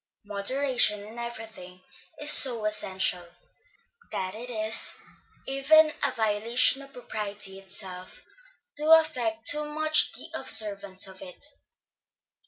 Moderation in everything is so essential, that it is even a violation of propriety itself to affect too much the observance of it.